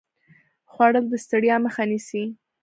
خوړل د ستړیا مخه نیسي